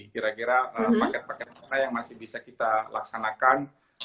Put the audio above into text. kira kira paket paket mana yang masih bisa kita laksanakan